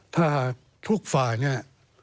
ถ้าทุกฝ่าย